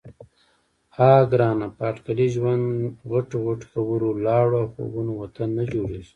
_اه ګرانه! په اټکلي ژوند، غټو غټو خبرو، لاړو او خوبونو وطن نه جوړېږي.